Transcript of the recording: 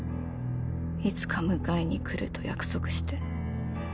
いつか迎えに来ると約束して。